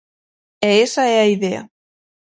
E esa é a idea.